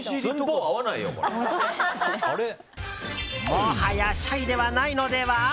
もはや、シャイではないのでは。